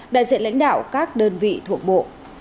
đại diện lãnh đạo các đơn vị thuộc bộ